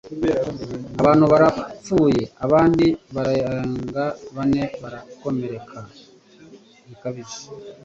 Abantu barapfuye abandi barenga bane barakomereka bikabije,